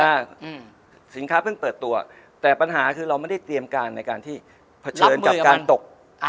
อืมสินค้าเพิ่งเปิดตัวแต่ปัญหาคือเราไม่ได้เตรียมการในการที่เผชิญกับการตกอ่า